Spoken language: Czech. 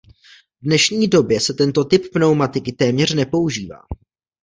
V dnešní době se tento typ pneumatiky téměř nepoužívá.